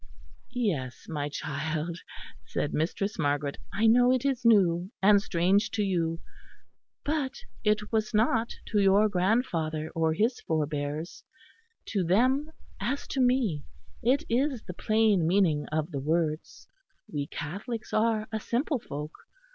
"Yes, my child," said Mistress Margaret, "I know it is new and strange to you; but it was not to your grandfather or his forbears: to them, as to me, it is the plain meaning of the words. We Catholics are a simple folk.